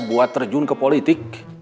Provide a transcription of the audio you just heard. buat terjun ke politik